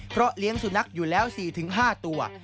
เพราะเลี้ยงสุนัขอยู่แล้ว๔๕ตัว